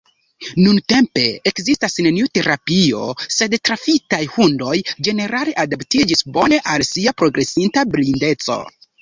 Nuntempe ekzistas neniu terapio, sed trafitaj hundoj ĝenerale adaptiĝas bone al sia progresinta blindeco.